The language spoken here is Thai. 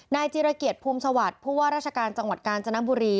นายจิระเกียจพุหมาศวรรษ์ผู้ว่าราชการจังหวัดกาลจนบุรี